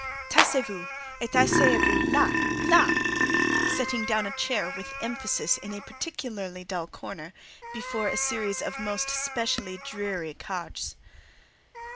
"Taisez vous, et asseyez vous là—là!"—setting down a chair with emphasis in a particularly dull corner, before a series of most specially dreary "cadres."